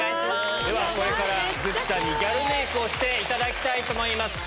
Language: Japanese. では、これからズッチさんにギャルメークをしていただきたいと思います。